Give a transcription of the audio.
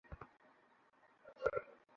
ওদেরকে আমার উম্মত করে দিন!